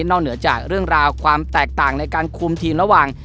เหนือจากเรื่องราวความแตกต่างในการคุมทีมระหว่าง